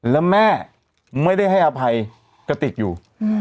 แล้วแม่ไม่ได้ให้อภัยกติกอยู่